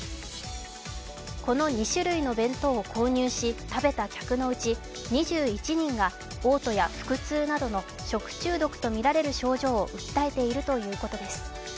この２種類の弁当を購入し、食べた客のうち２１人がおう吐や食中毒とみられる症状を訴えているということです。